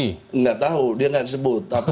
tidak tahu dia tidak sebut